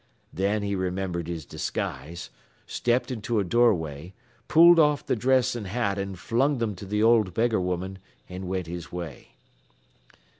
Thin he remembered his disguise, stepped into a doorway, pulled off th' dress an' hat an' flung thim to th' old beggar woman, an' went his way.